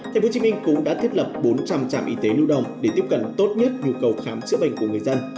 tp hcm cũng đã thiết lập bốn trăm linh trạm y tế lưu đồng để tiếp cận tốt nhất nhu cầu khám chữa bệnh của người dân